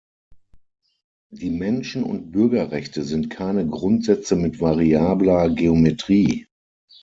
Die Menschen- und Bürgerrechte sind keine Grundsätze mit variabler Geometrie.